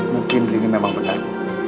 mungkin ini memang benar